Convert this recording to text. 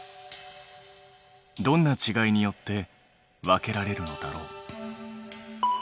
どんなちがいによって分けられるのだろう？